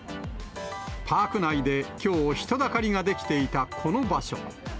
パーク内できょう、人だかりが出来ていたこの場所。